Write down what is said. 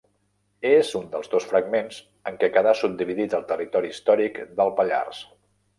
És un dels dos fragments en què quedà subdividit el territori històric del Pallars.